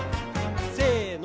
せの。